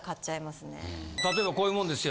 例えばこういうもんですよ。